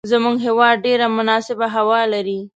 زموږ هیواد ډیره مناسبه هوا لری